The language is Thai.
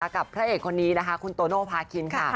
กับพระเอ็กต์คนนี้คุณโตโนพระคินค่ะ